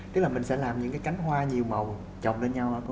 tức là mình sẽ làm những cái cánh hoa nhiều màu trọng lên nhau hả cô